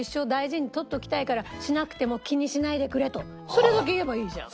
それだけ言えばいいじゃん。